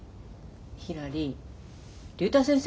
ひらり竜太先生